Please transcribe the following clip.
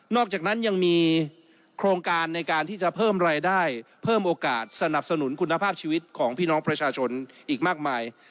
อกจากนั้นยังมีโครงการในการที่จะเพิ่มรายได้เพิ่มโอกาสสนับสนุนคุณภาพชีวิตของพี่น้องประชาชนอีกมากมาย